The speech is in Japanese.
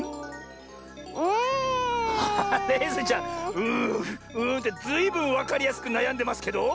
「うんうん」ってずいぶんわかりやすくなやんでますけど！